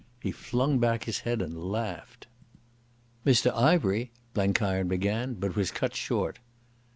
He flung back his head and laughed. "Mr Ivery—" Blenkiron began, but was cut short.